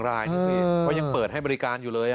เพราะยังเปิดให้บริการอยู่เลย